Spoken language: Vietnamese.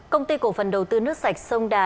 công ty cổ phần đầu tư nước sạch sông đà